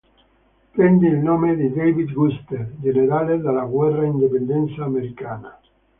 Prende il nome da David Wooster, generale nella Guerra d'Indipendenza americana.